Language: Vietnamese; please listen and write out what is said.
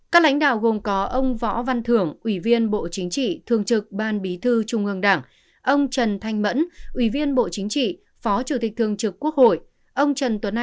các lãnh đạo gồm có ông võ văn thưởng ủy viên bộ chính trị thường trực ban bí thư trung ương đảng ông trần thanh mẫn ủy viên bộ chính trị phó chủ tịch thường trực quốc hội